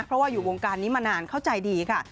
เพราะว่าอยู่วงการนี้มานานเข้าใจดีค่ะ